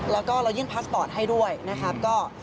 แล้วก็เรายื่นพาสปอร์ตให้ด้วยนะครับ